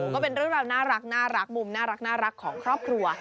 ก็เป็นเรื่องราวน่ารักมุมน่ารักของครอบครัว